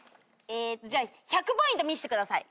じゃあ１００ポイント見してください。